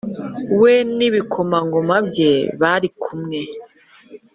we n’ibikomangoma bye bari kumwe.